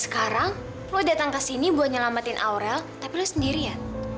kau datang kesini buat nyelamatin aurel tapi lu sendiri ya